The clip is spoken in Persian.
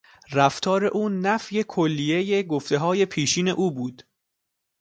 رفتار او نفی کلیهی گفتههای پیشین او بود.